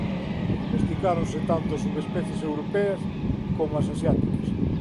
Domesticáronse tanto as subespecies europeas coma as asiáticas.